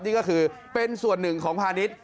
นี่ก็คือเป็นส่วนหนึ่งของพาณิชย์